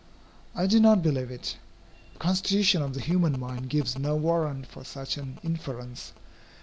I do not believe it. The constitution of the human mind gives no warrant for such an inference.